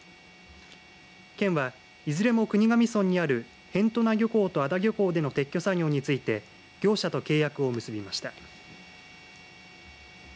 県は、いずれも国頭村にある辺土名漁港と安田漁港での撤去作業について業者と契約を結びました。